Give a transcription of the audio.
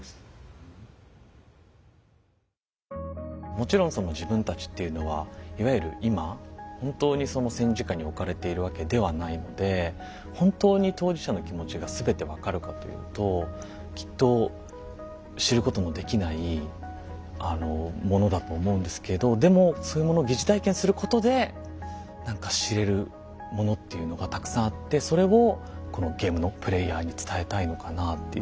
もちろんその自分たちっていうのはいわゆる今本当にその戦時下に置かれているわけではないので本当に当事者の気持ちが全て分かるかというときっと知ることもできないものだと思うんですけどでもそういうものを疑似体験することで何か知れるものっていうのがたくさんあってそれをこのゲームのプレイヤーに伝えたいのかなぁっていう。